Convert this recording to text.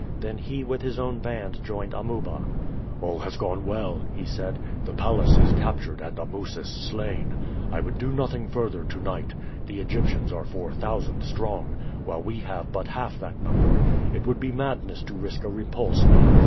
Then he with his own band joined Amuba. "All has gone well," he said. "The palace is captured and Amusis slain. I would do nothing further to night. The Egyptians are four thousand strong, while we have but half that number. It would be madness to risk a repulse now.